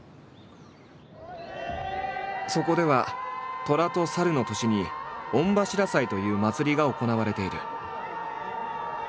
そこでは寅と申の年に「御柱祭」という祭りが行われている。